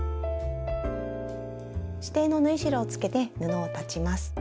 指定の縫い代をつけて布を裁ちます。